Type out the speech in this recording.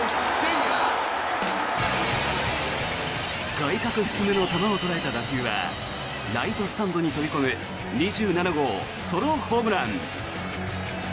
外角低めの球を捉えた打球はライトスタンドに飛び込む２７号ソロホームラン。